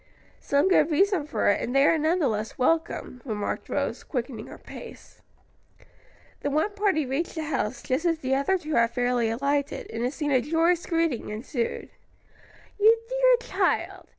"Some good reason for it, and they are none the less welcome," remarked Rose, quickening her pace. The one party reached the house just as the other two had fairly alighted, and a scene of joyous greeting ensued. "You dear child!